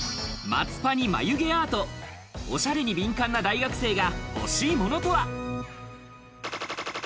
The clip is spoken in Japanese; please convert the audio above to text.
まつパに眉毛アート、おしゃれに敏感な大学生が欲しいものとは？